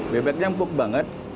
bebeknya empuk banget